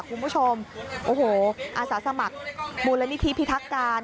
คุณผู้ชมอาสาสมัครบูรณิธิพิทักการณ์